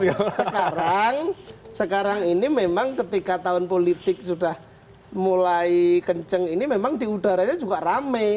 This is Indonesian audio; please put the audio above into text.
sekarang sekarang ini memang ketika tahun politik sudah mulai kenceng ini memang di udaranya juga rame